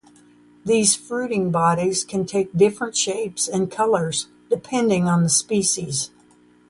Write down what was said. These fruiting bodies can take different shapes and colors, depending on the species.